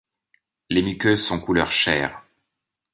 Les muqueuses sont couleur chair.